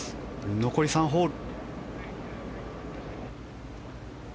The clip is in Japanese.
残り３ホール。